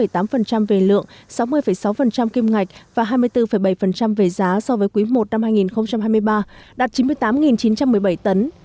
đường thứ hai là indonesia xuất khẩu gạo việt nam vào thị trường này tăng ba mươi tám tám về lượng sáu mươi sáu kim ngạch và hai mươi bốn bảy về giá so với cùng kỳ năm hai nghìn hai mươi ba đạt chín mươi tám chín trăm một mươi bảy tấn